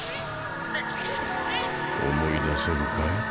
思い出せるかい？